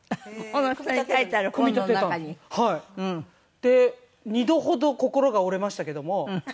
で２度ほど心が折れましたけども。